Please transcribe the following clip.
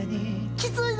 きついぜ！